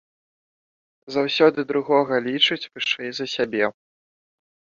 Заўсёды другога лічыць вышэй за сябе.